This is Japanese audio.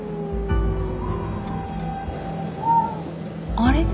あれ？